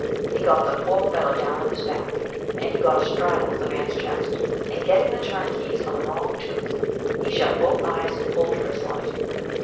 He got the poor fellow down on his back, and he got astraddle of the man's chest, and getting the turnkeys on the wrong tooth, he shut both eyes and pulled for his life.